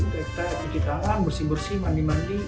kita cuci tangan bersih bersih mandi mandi